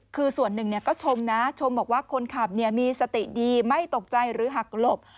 คือส่วนหนึ่งก็ชมนะชมบอกว่าคนขับมีสติดีไม่ตกใจหรือหักหลบ